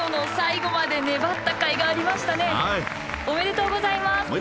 おめでとうございます！